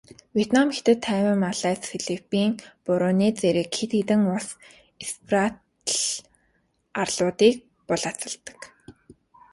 Вьетнам, Хятад, Тайвань, Малайз, Филиппин, Бруней зэрэг хэд хэдэн улс Спратл арлуудыг булаацалддаг.